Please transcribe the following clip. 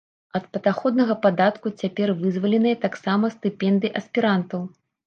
Ад падаходнага падатку цяпер вызваленыя таксама стыпендыі аспірантаў.